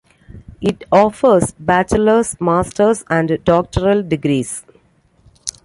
It offers Bachelors, Masters, and Doctoral degrees.